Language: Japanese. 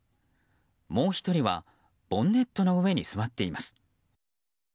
もう１人はボンネットの上に座っています。